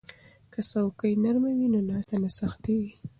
که څوکۍ نرمه وي نو ناسته نه سختیږي.